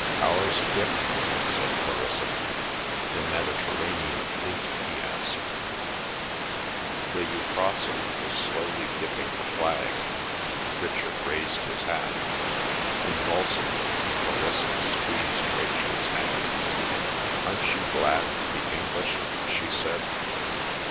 "Ours, Dick?" said Clarissa. "The Mediterranean Fleet," he answered. The Euphrosyne was slowly dipping her flag. Richard raised his hat. Convulsively Clarissa squeezed Rachel's hand. "Aren't you glad to be English!" she said.